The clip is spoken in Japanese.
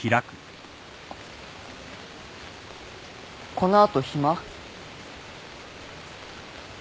この後暇？